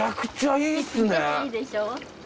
いいでしょう。